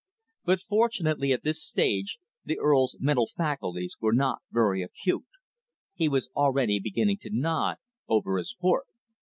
But, fortunately, at this stage the Earl's mental faculties were not very acute. He was already beginning to nod over his port.